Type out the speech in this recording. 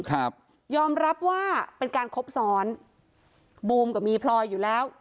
ครับยอมรับว่าเป็นการคบซ้อนบูมก็มีพลอยอยู่แล้ว